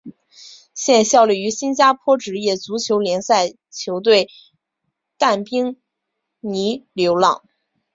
现效力于新加坡职业足球联赛球队淡滨尼流浪。